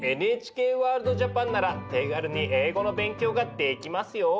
ＮＨＫワールドＪＡＰＡＮなら手軽に英語の勉強ができますよ。